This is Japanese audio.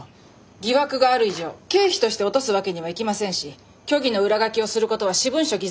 疑惑がある以上経費として落とすわけにはいきませんし虚偽の裏書きをすることは私文書偽造になります。